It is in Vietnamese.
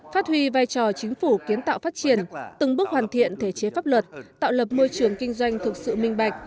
phát huy vai trò chính phủ kiến tạo phát triển từng bước hoàn thiện thể chế pháp luật tạo lập môi trường kinh doanh thực sự minh bạch